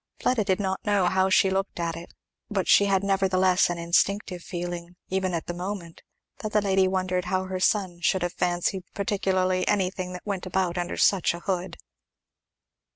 Fleda did not know how she looked at it, but she had nevertheless an instinctive feeling, even at the moment, that the lady wondered how her son should have fancied particularly anything that went about under such a hood.